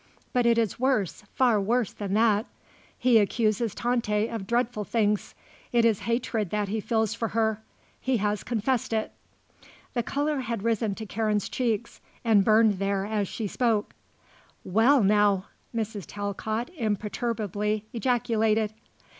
But it is worse, far worse than that. He accuses Tante of dreadful things. It is hatred that he feels for her. He has confessed it." The colour had risen to Karen's cheeks and burned there as she spoke. "Well now!" Mrs. Talcott imperturbably ejaculated.